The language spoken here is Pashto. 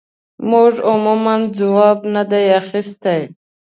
موږ عموماً ځواب نه دی اخیستی.